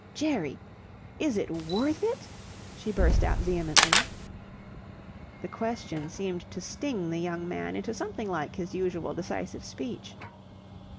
"Jerry! Is it worth it?" she burst out vehemently. The question seemed to sting the young man into something like his usual decisive speech.